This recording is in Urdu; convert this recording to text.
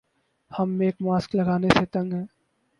ہم ایک ماسک لگانے سے تنگ ہیں